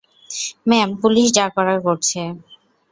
Ma'am, police যা করার করছে।